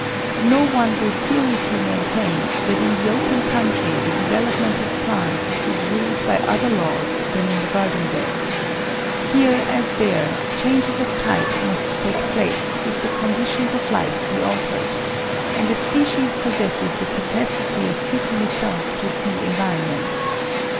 No one will seriously maintain that in the open country the development of plants is ruled by other laws than in the garden bed. Here, as there, changes of type must take place if the condi tions of life be altered, and the species possesses the capacity of fitting itself to its new environment.